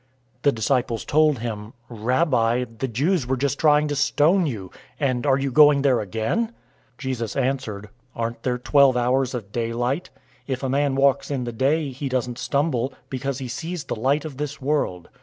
011:008 The disciples told him, "Rabbi, the Jews were just trying to stone you, and are you going there again?" 011:009 Jesus answered, "Aren't there twelve hours of daylight? If a man walks in the day, he doesn't stumble, because he sees the light of this world.